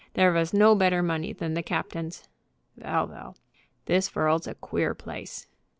There vas no better money than the captain's. Vell, vell! This vorld's a queer place."